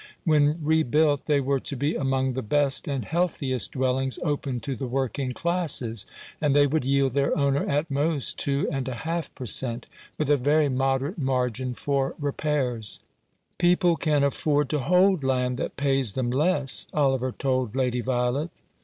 When rebuilt they were to be among the best and healthiest dwellings open to the working classes ; and they would yield their owner at most two and a half per cent., with a very moderate margin for repairs. " People can afford to hold land that pays them less," Oliver told Lady Violet.